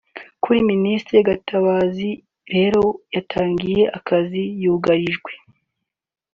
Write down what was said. Kuri Ministre Gatabazi rero yatangiye akazi yugarijwe